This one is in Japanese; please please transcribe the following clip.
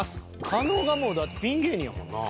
狩野がもうだってピン芸人やもんな。